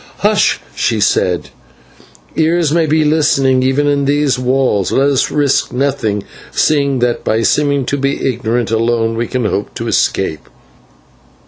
"'Hush!' she said, 'ears may be listening even in these walls; let us risk nothing, seeing that by seeming to be ignorant alone we can hope to escape.'"